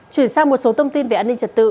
chuyển sang một số thông tin về an ninh trật tự